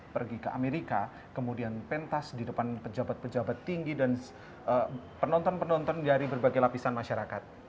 pergi ke amerika kemudian pentas di depan pejabat pejabat tinggi dan penonton penonton dari berbagai lapisan masyarakat